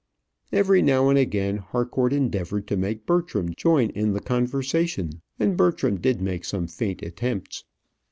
Every now and again Harcourt endeavoured to make Bertram join in the conversation; and Bertram did make some faint attempts.